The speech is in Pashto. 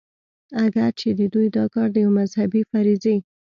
اګر چې د دوي دا کار د يوې مذهبي فريضې